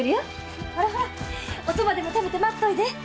ほらほらおそばでも食べて待っといで。